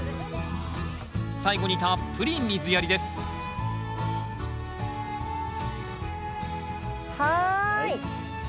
最後にたっぷり水やりですはい！